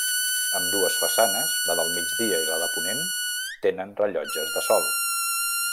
Ambdues façanes, la del migdia i la de ponent tenen rellotges de sol.